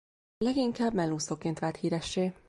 Leginkább mellúszóként vált híressé.